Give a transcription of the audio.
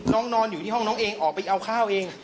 นอนอยู่ที่ห้องน้องเองออกไปเอาข้าวเอง